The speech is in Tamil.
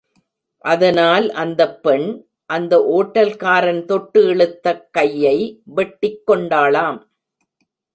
அதனால் அந்த பெண், அந்த ஓட்டல்காரன் தொட்டு இழுத்தக் கையை வெட்டிக் கொண்டாளாம்.